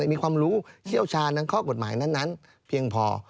มีความรู้เชี่ยวชาญทั้งข้อกฎหมายนั้นเพียงพอ